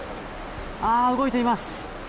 動いています。